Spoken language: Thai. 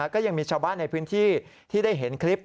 ก็ยังมีชาวบ้านในพื้นที่ที่ได้เห็นคลิป